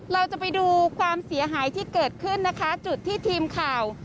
เราจะไปดูความเสียหายที่เกิดขึ้นนะคะจุดที่ทีมข่าว